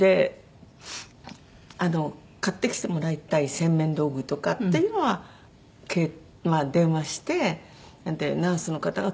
買ってきてもらいたい洗面道具とかっていうのは電話してナースの方が届けてくださるんですよ。